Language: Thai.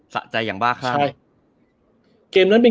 สะใจอย่างเบาะข้า